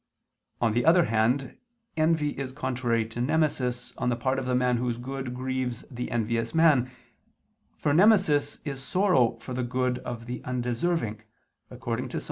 On the other hand, envy is contrary to nemesis on the part of the man whose good grieves the envious man, for nemesis is sorrow for the good of the undeserving according to Ps.